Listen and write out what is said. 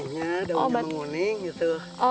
daunnya menguning gitu